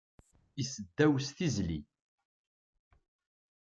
Iseddaw s tizli